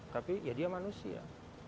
tapi ya dia manusia